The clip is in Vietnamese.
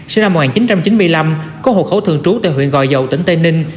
sinh năm một nghìn chín trăm chín mươi năm có hộ khẩu thường trú tại huyện gò dầu tỉnh tây ninh